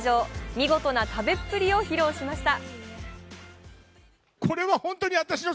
見事な食べっぷりを披露しました。